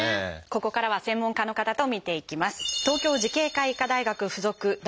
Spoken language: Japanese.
ここからは専門家の方と見ていきます。